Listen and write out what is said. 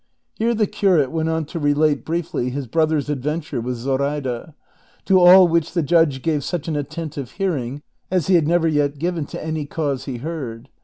Here the curate went on to relate briefly his brother's advent ure with Zoraida ; to all which the judge gave such an attentive hearing as he had never yet given to any cause he heard.